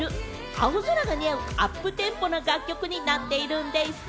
青空が似合うアップテンポな楽曲になっているんでぃす！